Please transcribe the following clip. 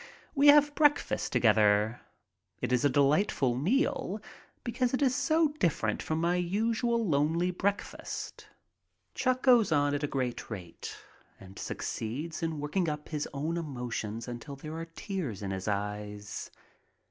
We have breakfast together. It is a delightful meal because it is so different from my usual lonely breakfast. i8 MY TRIP ABROAD Chuck goes on at a great rate and succeeds in working up his own emotions until there are tears in his eyes.